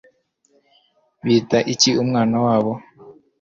Bita iki umwana wabo